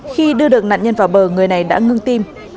khi đưa được nạn nhân vào bờ người này đã ngưng tim